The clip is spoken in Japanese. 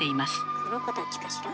この子たちかしら？